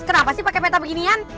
kenapa sih pakai meta beginian